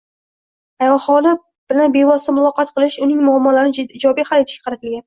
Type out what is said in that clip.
aholi bilan bevosita muloqot qilish, uning muammolarini ijobiy hal etishga qaratilgan